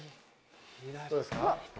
どうですか？